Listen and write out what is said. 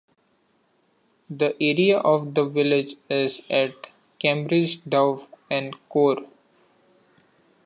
The area of the village is at the Cambridge Dow and Core.